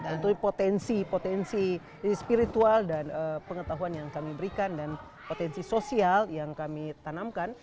tentunya potensi potensi spiritual dan pengetahuan yang kami berikan dan potensi sosial yang kami tanamkan